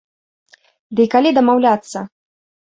Ды і калі дамаўляцца?